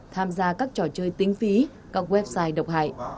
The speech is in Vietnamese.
tham gia các trò chơi tính phí các website độc hại